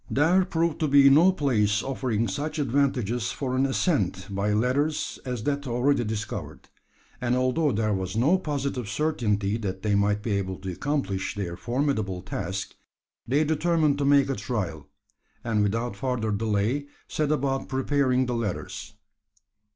There proved to be no place offering such advantages for an ascent by ladders as that already discovered; and although there was no positive certainty that they might be able to accomplish their formidable task, they determined to make a trial, and without further delay set about preparing the ladders.